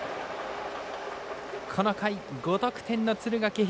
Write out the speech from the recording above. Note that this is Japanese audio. この回、５得点の敦賀気比。